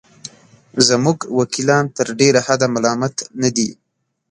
زموږ وکیلان تر ډېره حده ملامت نه دي.